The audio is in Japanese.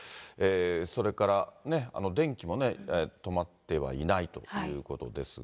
それから電気も止まってはいないということですが。